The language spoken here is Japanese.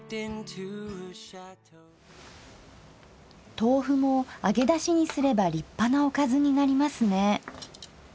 豆腐も揚げだしにすれば立派なおかずになりますね。